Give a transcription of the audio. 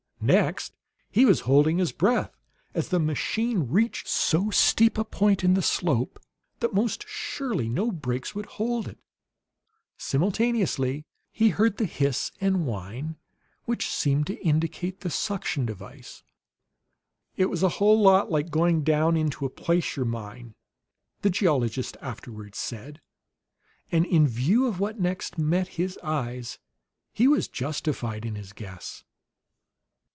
Next he was holding his breath as the machine reached so steep a point in the slope that, most surely, no brakes could hold it. Simultaneously he heard the hiss and whine which seemed to indicate the suction device. "It was a whole lot like going down into a placer mine," the geologist afterward said; and in view of what next met his eyes, he was justified in his guess.